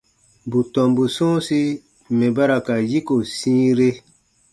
Bù tɔmbu sɔ̃ɔsi mɛ̀ ba ra ka yiko sĩire.